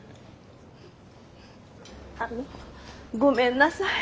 あのごめんなさい。